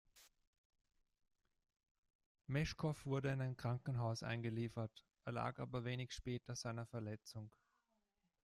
Meschkow wurde in ein Krankenhaus eingeliefert, erlag aber wenig später seiner Verletzung.